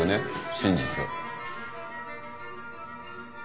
真実を。